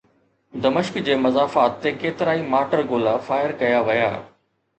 دمشق جي مضافات تي ڪيترائي مارٽر گولا فائر ڪيا ويا